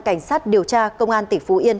cảnh sát điều tra công an tỉnh phú yên